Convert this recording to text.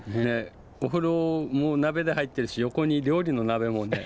お風呂も鍋で入ってるし横に料理の鍋もね。